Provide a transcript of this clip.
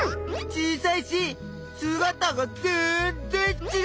小さいしすがたが全然ちがう！